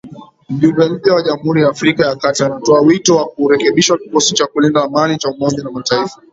Mjumbe mpya wa Jamhuri ya Afrika ya kati anatoa wito wa kurekebishwa kikosi cha kulinda amani cha Umoja wa Mataifa